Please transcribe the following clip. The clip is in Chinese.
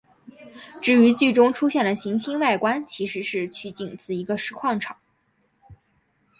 至于剧中出现的行星外观其实是取景自一个石矿场。